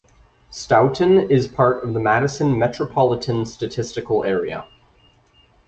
Stoughton is part of the Madison Metropolitan Statistical Area.